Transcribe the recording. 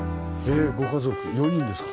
ご家族４人ですか？